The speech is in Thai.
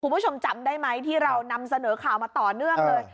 คุณผู้ชมจำได้ไหมที่เรานำเสนอข่าวมาต่อเนื่องเลย